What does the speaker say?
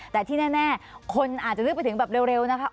แต่ที่แน่คนอาจจะนึกไปถึงแบบเร็วนะคะ